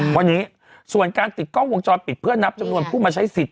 วันนี้ส่วนการติดกล้องวงจรปิดเพื่อนับจำนวนผู้มาใช้สิทธิ